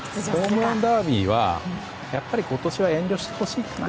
ホームランダービーは今年は遠慮してほしいかな。